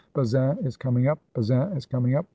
"Bazaine is coming up! Bazaine is coming up!"